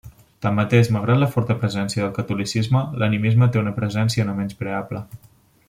Tanmateix, malgrat la forta presència del catolicisme, l'animisme té una presència no menyspreable.